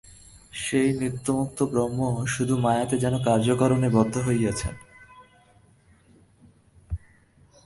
সেই নিত্যমুক্ত ব্রহ্ম শুধু মায়াতে যেন কার্যকারণে বদ্ধ হইয়াছেন।